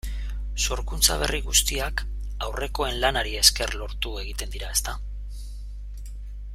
Sorkuntza berri guztiak aurrekoen lanari esker lortu egiten dira, ezta?